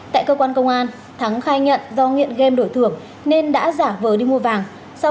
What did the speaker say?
tại cơ quan công an thắng khai nhận do nghiện game đổi thưởng nên đã giả vờ đi mua vàng